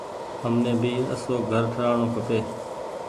همني ڀي آسو گھر ٺرآڻو کپي۔